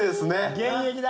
現役だ。